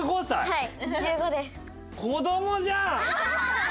はい。